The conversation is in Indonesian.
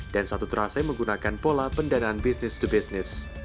dan satu trase menggunakan pola pendanaan bisnis to bisnis